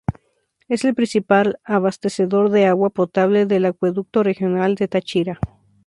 Es el principal abastecedor de agua potable del Acueducto Regional del Táchira.